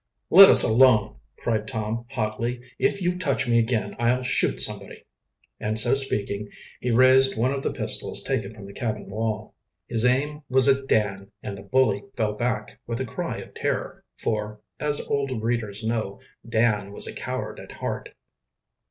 "Let us alone," cried Tom hotly. "If you touch me again, I'll shoot somebody." And so speaking, he raised one of the pistols taken from the cabin wall. His aim was at Dan, and the bully fell back with a cry of terror, for, as old readers know, Dan was a coward at heart.